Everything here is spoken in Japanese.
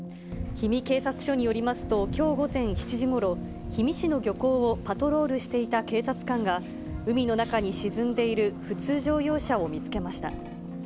氷見警察署によりますと、きょう午前７時ごろ、氷見市の漁港をパトロールしていた警察官が、海の中に沈んでいる普通乗用車を見つけました。